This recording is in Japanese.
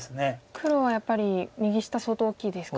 黒はやっぱり右下相当大きいですか。